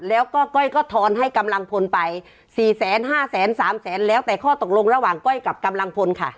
แล้วก็ก้อยก็ทอนให้กำลังพลไป๔๕๓แสนแล้วแต่ข้อตกลงระหว่างก้อยกับกำลังพลค่ะ